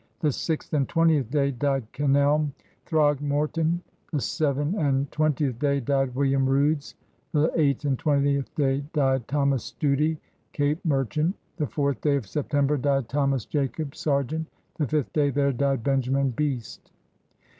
The six and twentieth day died Kenelme Throgmortine. The seven and twentieth day died William Roods. The eight and twentieth day died Thomas Stoodie, Cape Merchant. The fourth day of September died Thomas Jacob, Sergeant. The fifth day there died Benjamin Beast.